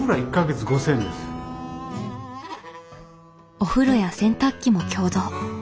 お風呂や洗濯機も共同。